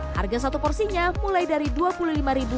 harga satu porsinya mulai dari rp dua puluh lima